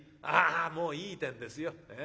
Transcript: ああもういいてんですよ。